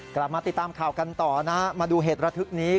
กลับมาติดตามข่าวกันต่อนะฮะมาดูเหตุระทึกนี้